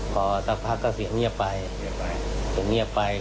พอสักพักก็เสียงเงียบไป